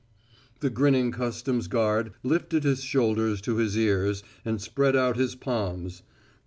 _" The grinning customs guard lifted his shoulders to his ears and spread out his palms.